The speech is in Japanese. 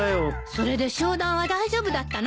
それで商談は大丈夫だったの？